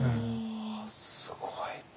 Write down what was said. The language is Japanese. すごい。